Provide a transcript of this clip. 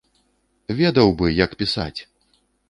Ведаў бы, як пісаць!